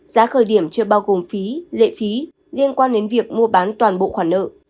giá khởi điểm chưa bao gồm phí lệ phí liên quan đến việc mua bán toàn bộ khoản nợ